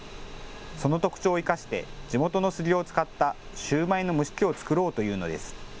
その特徴を生かして地元の杉を使ったシューマイの蒸し器を作ろうというのです。